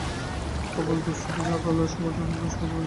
প্রবল দোষও আছে, যাহা কালে সংযত না হইলে সমাজের বিনাশসাধন করে।